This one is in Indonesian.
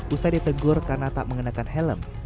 usai ditegur karena tak mengenakan helm